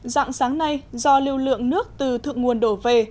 dạng sáng nay do lưu lượng nước từ thượng nguồn đổ về